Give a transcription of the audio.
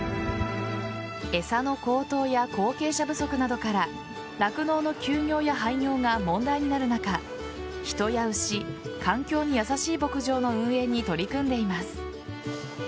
餌の高騰や後継者不足などから酪農の休業や廃業が問題になる中人や牛、環境に優しい牧場の運営に取り組んでいます。